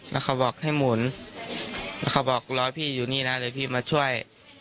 แล้วเขาบอกให้หมุนแล้วเขาบอกร้อยพี่อยู่นี่นะเดี๋ยวพี่มาช่วย